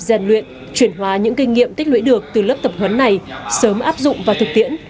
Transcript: dàn luyện chuyển hóa những kinh nghiệm tích lưỡi được từ lớp tập huấn này sớm áp dụng và thực tiễn